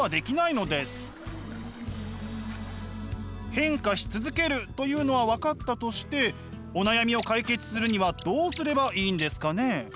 変化し続けるというのは分かったとしてお悩みを解決するにはどうすればいいんですかね？